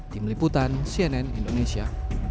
tim liputan cnn indonesia